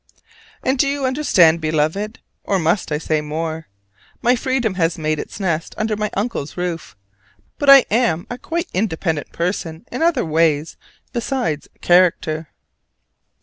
And do you understand, Beloved? or must I say more? My freedom has made its nest under my uncle's roof: but I am a quite independent person in other ways besides character.